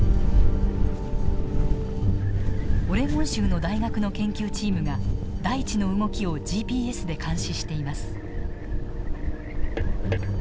オレゴン州の大学の研究チームが大地の動きをＧＰＳで監視しています。